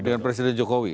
dengan presiden jokowi